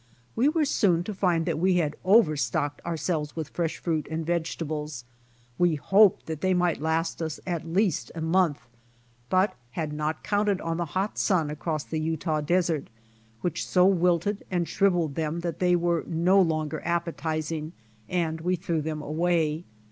We were soon to find that we had overstocked ourselves with fresh fruit and vegetables. We hoped that they might last us at least a month, but had not counted on the hot sun across the Utah desert, which so wilted and shriveled them that they were no longer appetizing and we threw them away.